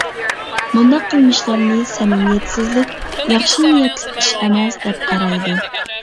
مۇنداق قىلمىشلارنى سەمىمىيەتسىزلىك، ياخشى نىيەتلىك ئىش ئەمەس دەپ قارايدۇ.